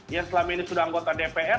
yang selama ini sudah anggota dpr